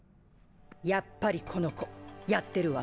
やっぱりこの子ヤッてるわ。？